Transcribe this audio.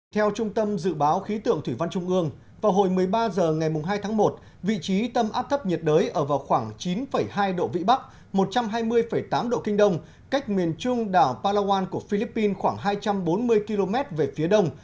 theo trung tâm dự báo khí tượng thủy văn trung ương vào hồi một mươi ba h ngày hai tháng một vị trí tâm áp thấp nhiệt đới ở vào khoảng chín hai độ vĩ bắc một trăm hai mươi tám độ kinh đông cách miền trung đảo palawan của philippines khoảng hai trăm bốn mươi km về phía đông